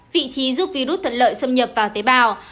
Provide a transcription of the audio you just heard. vị trí giúp virus thuận lợi xâm nhập vào tế bào